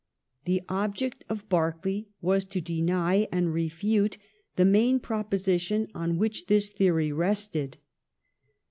The object of Berkeley was to deny and refute the main proposition on which this theory rested.